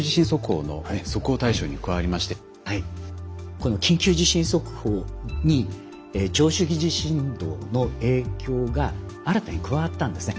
この緊急地震速報に長周期地震動の影響が新たに加わったんですね。